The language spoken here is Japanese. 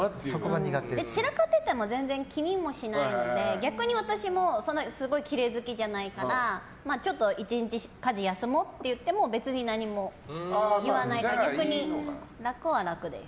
散らかってても全然気にもしないので逆に私もすごいきれい好きじゃないからちょっと１日家事を休もうって言っても別に何も言わないから逆に楽は楽です。